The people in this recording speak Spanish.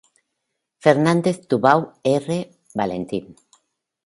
Fernández-Tubau R., Valentín.